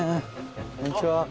こんにちは。